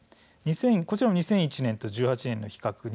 こちら２００１年と２０１８年の比較です。